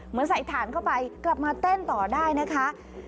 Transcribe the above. เหมือนใส่ถ่านเข้าไปกลับมาเต้นต่อได้นะคะ